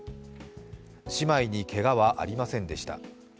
姉妹にけがはありませんでした。